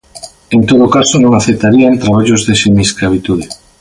En todo caso, non aceptarían traballos de semiescravitude.